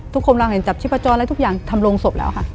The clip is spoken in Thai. ทุกคนกำลังเห็นจับชิพจรและทุกอย่างทำโรงศพแล้วค่ะ